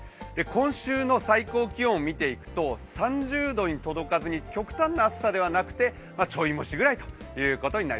今週の最高気温見ていくと、３０度に届かずに、極端な暑さではなくて、チョイ蒸しぐらいということです。